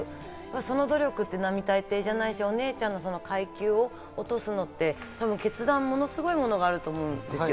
その努力というのは並大抵じゃないし、お姉ちゃんが階級を落とすのって決断、ものすごいものがあると思うんですよ。